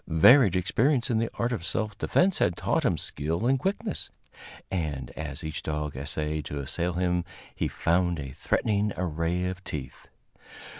Varied experience in the art of self defense had taught him skill and quickness, and as each dog essayed to assail him he found a threatening array of teeth.